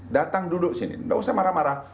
datang duduk sini nggak usah marah marah